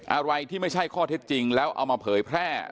อะไรที่ไม่ใช่ข้อเท็จจริงแล้วเอามาเผยแพร่